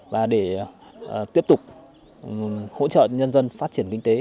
và để tiếp tục hỗ trợ nhân dân phát triển kinh tế